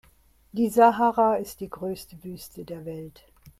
Die Sahara ist die größte Wüste der Welt.